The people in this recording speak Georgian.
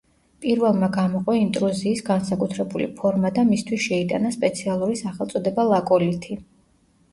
პირველმა გამოყო ინტრუზიის განსაკუთრებული ფორმა და მისთვის შეიტანა სპეციალური სახელწოდება ლაკოლითი.